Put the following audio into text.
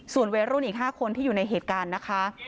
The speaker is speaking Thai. ส่วนวัยรุ่นอีก๕คนที่อยู่ในเหตุการณ์นะคะ